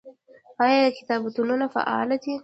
آیا کتابتونونه فعال دي؟